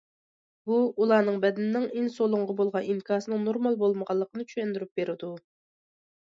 بۇ ئۇلارنىڭ بەدىنىنىڭ ئىنسۇلىنغا بولغان ئىنكاسىنىڭ نورمال بولمىغانلىقىنى چۈشەندۈرۈپ بېرىدۇ.